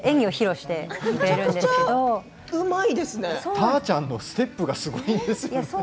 たーちゃんのステップがすごいですね。